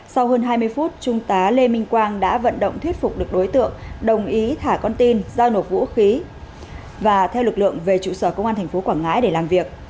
sau hơn hai mươi phút trung tá lê minh quang đã vận động thuyết phục được đối tượng đồng ý thả con tin giao nộp vũ khí và theo lực lượng về trụ sở công an tp quảng ngãi để làm việc